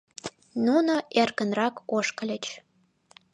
Нуно эркынрак ошкыльыч.